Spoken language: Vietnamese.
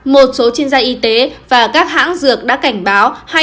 một số chuyên gia y tế và các hãng dược đã cảnh báo